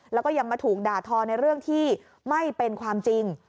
แล้วก็ยังมาถูกด่าทอในเรื่องที่ไม่เป็นความจริง